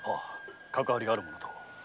かかわりがあるものと。